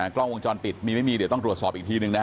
กล้องวงจรปิดมีไม่มีเดี๋ยวต้องตรวจสอบอีกทีนึงนะฮะ